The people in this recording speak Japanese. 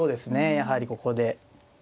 やはりここで。